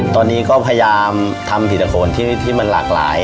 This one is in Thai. ตอนนี้ก็พยายามทำผิดตะโคนที่มันหลากหลาย